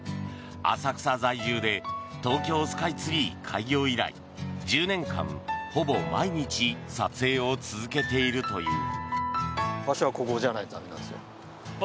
浅草在住で東京スカイツリー開業以来１０年間ほぼ毎日撮影を続けているという。